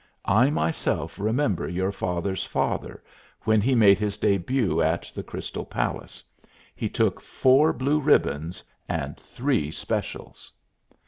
I myself remember your father's father, when he made his début at the Crystal Palace. He took four blue ribbons and three specials."